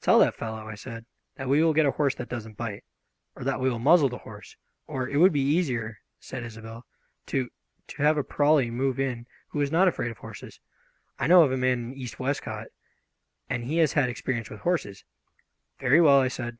"Tell that fellow," I said, "that we will get a horse that doesn't bite, or that we will muzzle the horse, or " "It would be easier," said Isobel, "to to have a Prawley move in who was not afraid of horses. I know of a man in East Westcote, and he has had experience with horses " "Very well," I said.